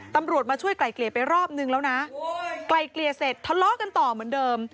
ตำรวจมาช่วยไกลเกลี่ยไปรอบนึงแล้วนะไกลเกลี่ยเสร็จทะเลาะกันต่อเหมือนเดิม